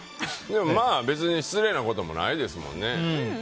まあ、別に失礼なこともないですもんね。